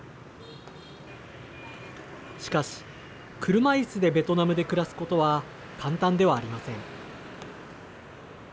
しかし、車いすでベトナムで暮らすことは簡単ではありません。